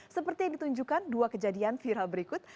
seperti yang ditunjukkan dua kejadian viral berikut